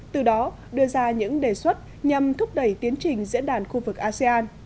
từ đó đưa ra những đề xuất nhằm thúc đẩy tiến trình diễn đàn khu vực asean